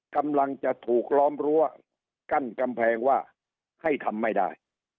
กำลังจะถูกล้อมรั้วกั้นกำแพงว่าให้ทำไม่ได้